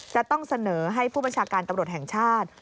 จะต้องเสนอให้ผู้บัญชาการตำรวจแห่งชาติ